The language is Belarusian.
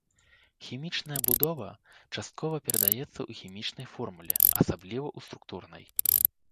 Хімічная будова часткова перадаецца ў хімічнай формуле, асабліва ў структурнай.